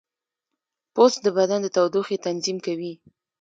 پوست د بدن د تودوخې تنظیم کوي.